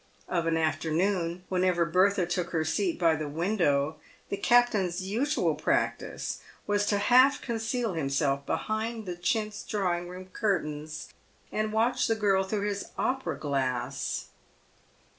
Of an afternoon, whenever Bertha took her seat by the window, the cap tain's usual practice was to half conceal himself behind the chintz drawing room curtains, and watch the girl through his opera glass.